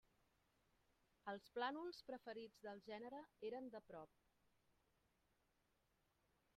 Els plànols preferits del gènere eren de prop.